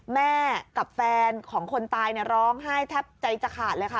แม่กับแฟนของคนตายร้องไห้แทบใจจะขาดเลยค่ะ